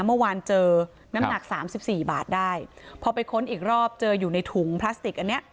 เมื่อวานเจอน้ำหนักสามสิบสี่บาทได้พอไปค้นอีกรอบเจออยู่ในถุงพลาสติกอันเนี้ย